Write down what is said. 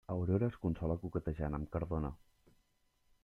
Aurora es consola coquetejant amb Cardona.